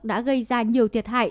đã gây ra nhiều thiệt hại